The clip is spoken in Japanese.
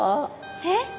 えっ？